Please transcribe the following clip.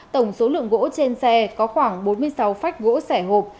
tổng số lượng gỗ trên xe có khoảng bốn mươi sáu phách gỗ sẻ hộp